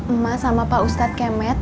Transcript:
emak sama pak ustadz kemet